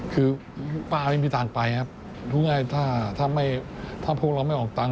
คือป้าไม่มีตังค์ไปครับถ้าพวกเราไม่ออกตังค์